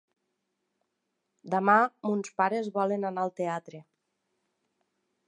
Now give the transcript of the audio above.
Demà mons pares volen anar al teatre.